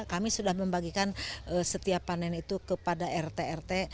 kami sudah membagikan setiap panen itu kepada rt rt